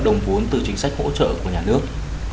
đồng vốn từ chính sách hỗ trợ của nhà nước